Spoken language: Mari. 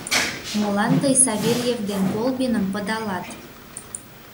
— Молан тый Савельев ден Колбиным пыдалат?